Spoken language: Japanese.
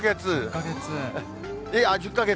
１０か月？